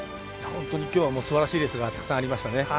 本当に、きょうはすばらしいレースがたくさんありましたね。